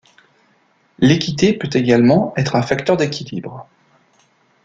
L'équité peut également être un facteur d'équilibre.